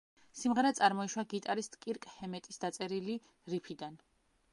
სიმღერა წარმოიშვა გიტარისტ კირკ ჰემეტის დაწერილი რიფიდან.